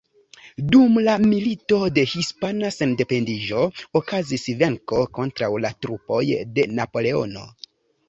Dum la Milito de Hispana Sendependiĝo okazis venko kontraŭ la trupoj de Napoleono.